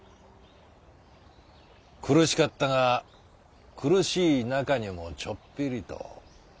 苦しかったが苦しい中にもちょっぴりと。